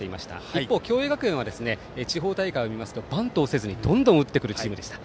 一方、共栄学園は地方大会を見ますとバントをせずにどんどん打ってくるチームでした。